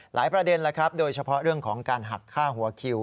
ประเด็นแล้วครับโดยเฉพาะเรื่องของการหักฆ่าหัวคิว